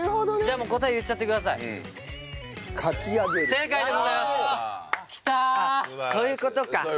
あっそういう事か。